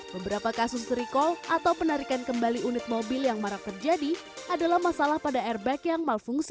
beberapa kasus recall atau penarikan kembali unit mobil yang marak terjadi adalah masalah pada airbag yang mafungsi